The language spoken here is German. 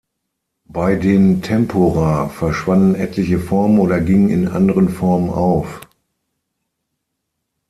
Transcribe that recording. Bei den Tempora verschwanden etliche Formen oder gingen in anderen Formen auf.